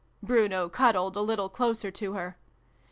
" (Bruno cuddled a little closer to her.)